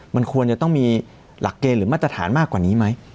มันควรจะต้องมีหลักเกณฑ์หรือมาตรฐานมากกว่านี้ไหม